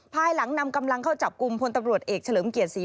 ภายหลังนำกำลังเข้าจับกลุ่มพลตำรวจเอกเฉลิมเกียรติศรี